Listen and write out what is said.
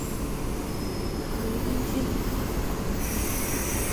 汝阴郡。